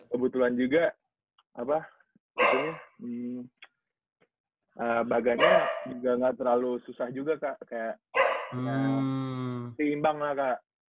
kebetulan juga baganya juga nggak terlalu susah juga kak kayak seimbang lah kak